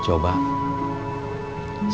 sok atau naik dicoba